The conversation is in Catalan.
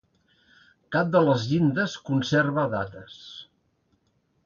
Cap de les llindes conserva dates.